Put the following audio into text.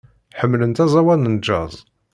Ḥemmlent aẓawan n jazz.